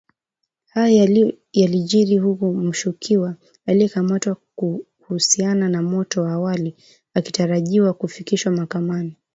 Hayo yalijiri huku mshukiwa aliyekamatwa kuhusiana na moto wa awali, akitarajiwa kufikishwa mahakamani